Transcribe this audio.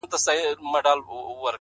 • په دې ډنډ کي نوري نه سو لمبېدلای ,